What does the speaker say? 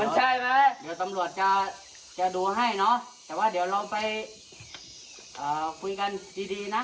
เดี๋ยวตำรวจจะดูให้แต่ว่าเดี๋ยวเราไปคุยกันดีนะ